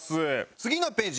次のページ。